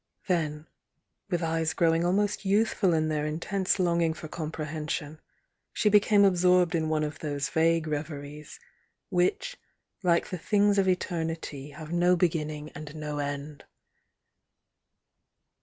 'Then, with eyes growing almost youthful in their intense long ing for comprehension, she became absorbed in one of those vague reveries, which, like the things of eternity, have no beginning and no end.